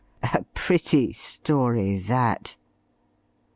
a pretty story that....